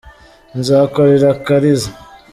Nzakorera akariza